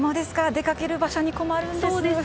出かける場所に困るんです。